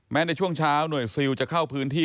ในช่วงเช้าหน่วยซิลจะเข้าพื้นที่